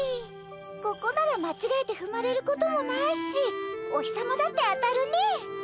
ここならまちがえてふまれることもないしお日さまだって当たるね。